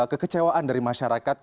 kekecewaan dari masyarakat